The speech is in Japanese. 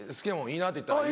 「言いな」って。